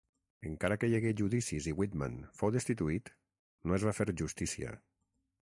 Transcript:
Encara que hi hagué judicis i Whitman fou destituït, no es va fer justícia.